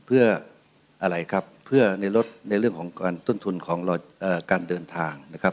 เพื่ออะไรครับเพื่อในลดในเรื่องของการต้นทุนของการเดินทางนะครับ